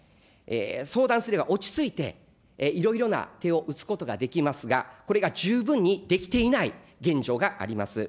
相談すれば、落ち着いていろいろな手を打つことができますが、これが十分にできていない現状があります。